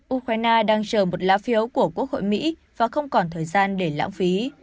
ukraine đang chờ một lá phiếu của quốc hội mỹ và không còn thời gian để lãng phí